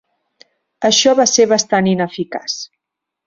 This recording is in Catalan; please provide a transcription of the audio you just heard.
Això va ser bastant ineficaç.